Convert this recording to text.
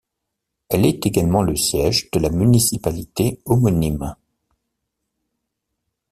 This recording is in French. Elle est également le siège de la municipalité homonyme.